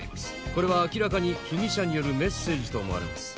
これは明らかに被疑者によるメッセージと思われます。